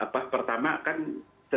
pas pertama kan kita bisa mencari